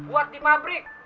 buat di pabrik